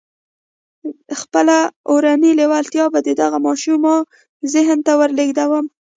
خپله اورنۍ لېوالتیا به د دغه ماشوم ذهن ته ولېږدوم.